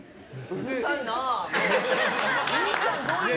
うるさいな、もう。